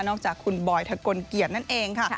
จากคุณบอยทะกลเกียรตินั่นเองค่ะ